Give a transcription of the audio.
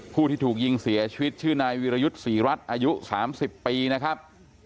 ผู้ที่ถูกยิงเสียชีวิตชื่อนายวิรยุทธ์ศรีรัฐอายุ๓๐ปีนะครับ